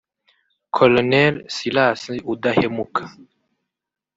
Col Silas Udahemuka